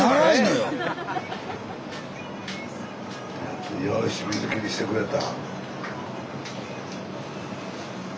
よし水切りしてくれた。